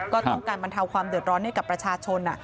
ก็ต้องการบรรเทาความเดือดร้อนให้กับประชาชน